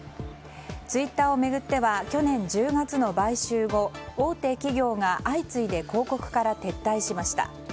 ツイッターを巡っては去年１０月の買収後大手企業が相次いで広告から撤退しました。